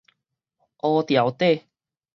烏牢底